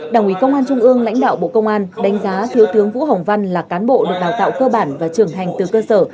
đảng ủy công an trung ương lãnh đạo bộ công an đánh giá thiếu tướng vũ hồng văn là cán bộ được đào tạo cơ bản và trưởng thành từ cơ sở